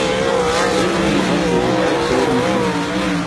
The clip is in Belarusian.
Трэба намагацца застацца ў эліце.